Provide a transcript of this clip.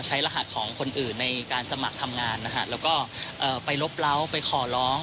รหัสของคนอื่นในการสมัครทำงานนะฮะแล้วก็ไปลบเล้าไปขอร้อง